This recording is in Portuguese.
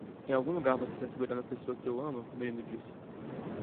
"Em algum lugar você está segurando a pessoa que eu amo?" o menino disse.